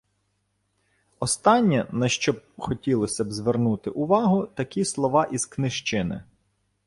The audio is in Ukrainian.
Останнє, на що хотілося б звернути увагу, – такі слова із книжчини: